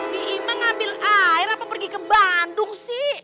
bu ima ngambil air apa pergi ke bandung sih